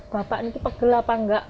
bapak ini pegel apa nggak